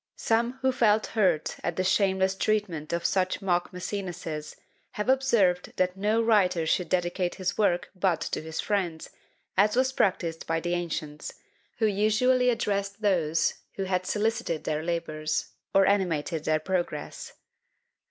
Some who felt hurt at the shameless treatment of such mock Mæcenases have observed that no writer should dedicate his works but to his FRIENDS, as was practised by the ancients, who usually addressed those who had solicited their labours, or animated their progress.